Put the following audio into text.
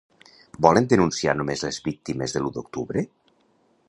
Volen denunciar només les víctimes de l'U d'Octubre?